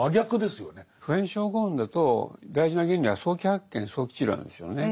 普遍症候群だと大事な原理は早期発見早期治療なんですよね。